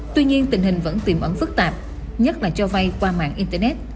tuy nhiên tình hình vẫn tiềm ẩn phức tạp nhất là cho vay qua mạng internet